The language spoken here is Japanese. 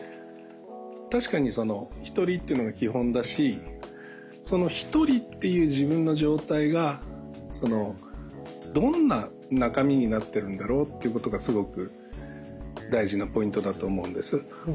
確かにひとりというのが基本だしそのひとりという自分の状態がどんな中身になってるんだろうということがすごく大事なポイントだと思うんです。